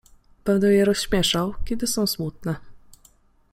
Będę je rozśmieszał, kiedy są smutne.